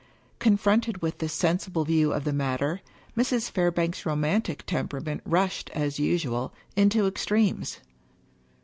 Confronted with this sensible view of the matter, Mrs. Fairbank's romantic temperament rushed, as usual, into ex tremes.